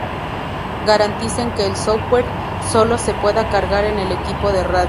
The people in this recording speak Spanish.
garanticen que el software solo se pueda cargar en el equipo de radio